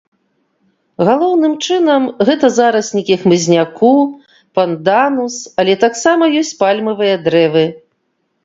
Галоўным чынам, гэта зараснікі хмызняку, панданус, але таксама ёсць пальмавыя дрэвы.